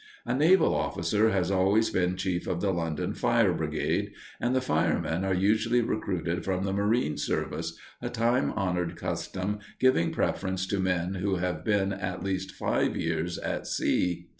A naval officer has always been chief of the London fire brigade, and the firemen are usually recruited from the marine service, a time honored custom giving preference to men who have been at least five years at sea.